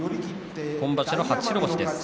今場所の初白星です。